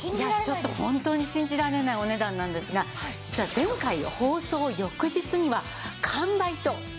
ちょっとホントに信じられないお値段なんですが実は前回は放送翌日には完売となりました。